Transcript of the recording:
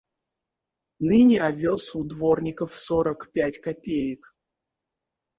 Ныне овес у дворников сорок пять копеек.